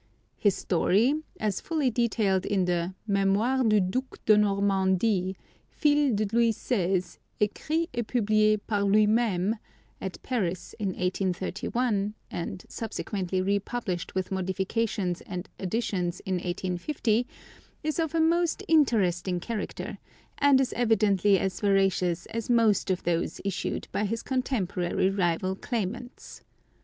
His story, as fully detailed in the "Mémoires du Duc de Normandie, fils de Louis XVI., écrits et publié par lui même," at Paris in 1831, and subsequently republished with modifications and additions in 1850, is of a most interesting character, and is evidently as veracious as most of those issued by his contemporary rival claimants.